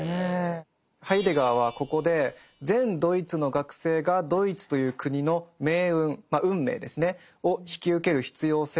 ハイデガーはここで全ドイツの学生がドイツという国の命運運命ですねを引き受ける必要性を説いています。